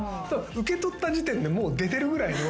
受け取った時点でもう出てるぐらいの。